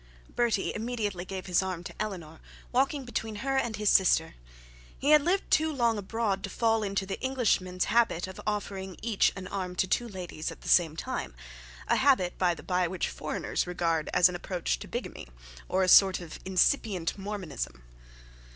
Bertie immediately gave his arm to Eleanor, walking between her and his sister. He had lived too long abroad to fall into an Englishman's habit of offering each an arm to two ladies at the same time; a habit, by the bye, which foreigners regard as an approach to bigamy, or a sort of incipient Mormonism.